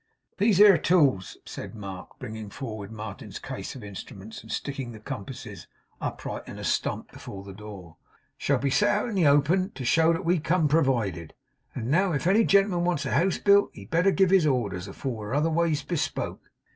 'These here tools,' said Mark, bringing forward Martin's case of instruments and sticking the compasses upright in a stump before the door, 'shall be set out in the open air to show that we come provided. And now, if any gentleman wants a house built, he'd better give his orders, afore we're other ways bespoke.